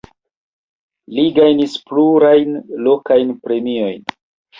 Li gajnis plurajn lokajn premiojn.